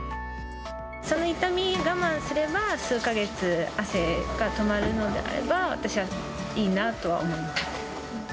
その痛み我慢すれば、数か月、汗が止まるのであれば、私はいいなとは思います。